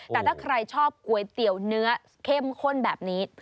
แต่ถ้าใครชอบก๋วยเตี๋ยวเนื้อเข้มข้นแบบนี้